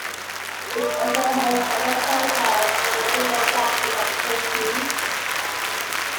It also hosts events such as the Medieval Market of Turku.